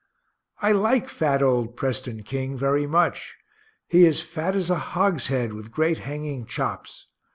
I like fat old Preston King very much he is fat as a hogshead, with great hanging chops.